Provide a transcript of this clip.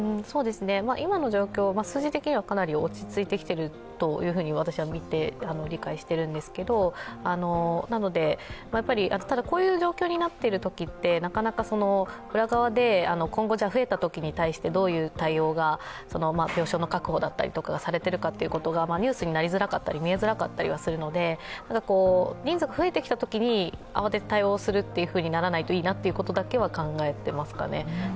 今の状況、数字的にはかなり落ち着いてきていると私は見て、理解をしているんですけどもただ、こういう状況になってきているとき、なかなか裏側で、今後、増えたときに対してどういう対応が病床確保だったりがされているのかがニュースになりづらかったり見えづらかったりはするので、人数が増えてきたときに慌てて対応するということにならないといいなとは考えていますね。